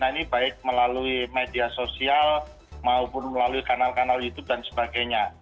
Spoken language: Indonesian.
nah ini baik melalui media sosial maupun melalui kanal kanal youtube dan sebagainya